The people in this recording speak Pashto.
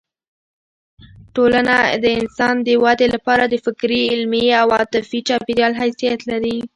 ټولنه د انسان د ودې لپاره د فکري، علمي او عاطفي چاپېریال حیثیت لري.